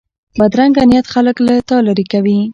بدرنګه نیت خلک له تا لرې کوي